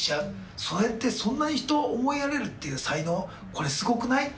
それって、そんなに人を思いやれるっていう才能、これすごくない？